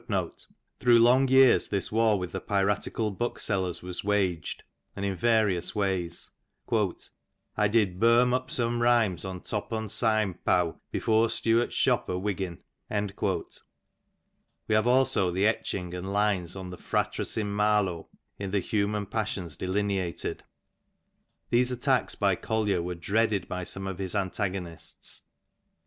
A London publisher thus writes to him :Through long yean this war with the piratical booksellers was waged, and in yarious ways :" I did berm up some rimes o top on sign pow, before Staart*s shop e Wiggin." We haye also the etching and lines on the " firatres in malo" in the Human JPasiiont Delineated. These attacks by Collier were dreaded by some of his antago nists.